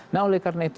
nah oleh karena itu